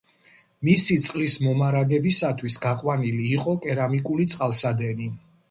მისი წყლის მომარაგებისათვის გაყვანილი იყო კერამიკული წყალსადენი.